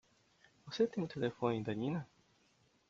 Você tem o telefone da Nina?